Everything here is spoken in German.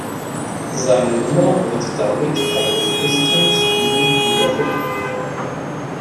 Seine Nummer wird damit bei den Pistons nie wieder vergeben.